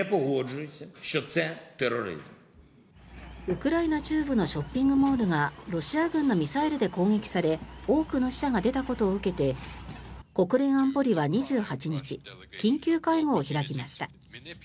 ウクライナ中部のショッピングモールがロシア軍のミサイルで攻撃され多くの死者が出たことを受けて国連安保理は２８日緊急会合を開きました。